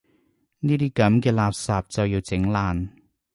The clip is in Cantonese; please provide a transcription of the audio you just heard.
呢啲噉嘅垃圾就要整爛